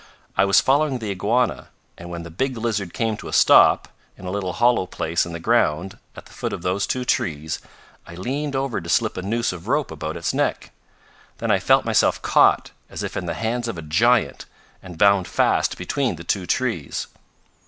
"I was following the iguana, and when the big lizard came to a stop, in a little hollow place in the ground, at the foot of those two trees, I leaned over to slip a noose of rope about its neck. Then I felt myself caught, as if in the hands of a giant, and bound fast between the two trees."